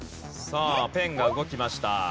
さあペンが動きました。